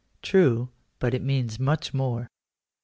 True : but it means much more.